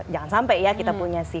jangan sampai ya kita punya si